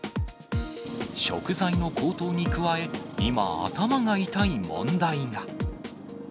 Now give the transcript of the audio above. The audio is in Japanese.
食材の高騰に加え、今、頭が痛い問題が。